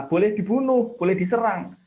boleh dibunuh boleh diserang